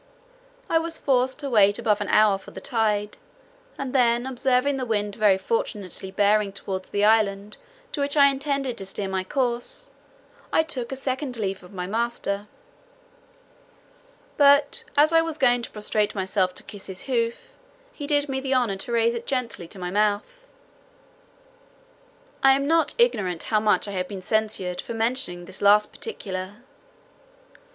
I was forced to wait above an hour for the tide; and then observing the wind very fortunately bearing toward the island to which I intended to steer my course, I took a second leave of my master; but as I was going to prostrate myself to kiss his hoof, he did me the honour to raise it gently to my mouth. I am not ignorant how much I have been censured for mentioning this last particular.